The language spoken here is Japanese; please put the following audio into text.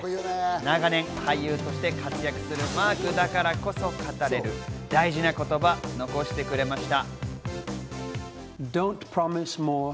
長年、俳優として活躍するマークだからこそ語れる大事な言葉、残してくれました。